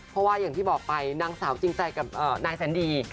เพราะว่าอย่างที่บอกไปนางสาวจริงใจกับนายแสนดี